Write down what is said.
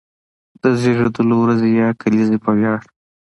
د زېږېدلو ورځې يا کليزې په وياړ،